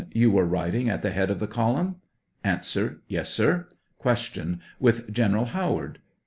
You were riding at the head of the column ? A. Yes, sir. Q. With General Howard